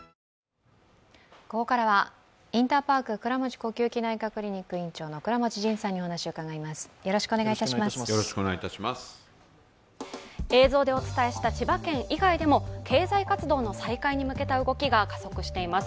ここからはインターパーク倉持呼吸器内科クリニック院長の倉持仁さんにお話を伺います。